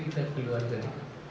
kita keluar dari itu